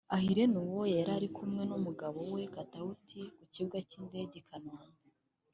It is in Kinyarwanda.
Aha Irene Uwoya yari kumwe n'umugabo we Katauti ku kibuga cy'indege i Kanombe